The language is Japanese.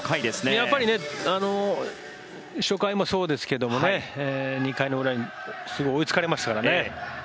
やっぱり初回もそうですけどもね２回の裏にすぐ追いつかれましたからね。